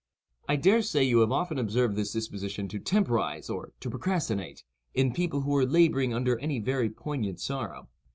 I dare say you have often observed this disposition to temporize, or to procrastinate, in people who are labouring under any very poignant sorrow.